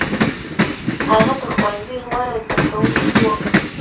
هغه د ښوونځي غوره زده کوونکی و.